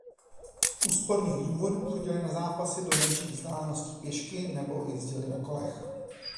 Z úsporných důvodů chodili na zápasy do menších vzdáleností pěšky nebo jezdili na kolech.